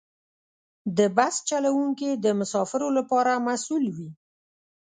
د بس چلوونکي د مسافرو لپاره مسؤل وي.